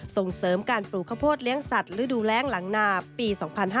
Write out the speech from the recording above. ส่งเสริมการปลูกข้าวโพดเลี้ยงสัตว์ฤดูแรงหลังนาปี๒๕๕๙